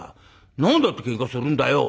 何だってケンカするんだよ」。